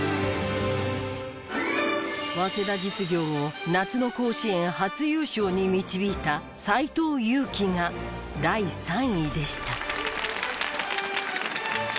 早稲田実業を夏の甲子園初優勝に導いた斎藤佑樹が第３位でした。